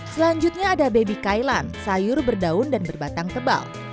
selanjutnya ada baby kailand sayur berdaun dan berbatang tebal